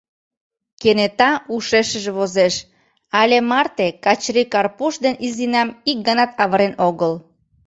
Кенета ушешыже возеш: але марте Качыри Карпуш ден Изинам ик ганат авырен огыл.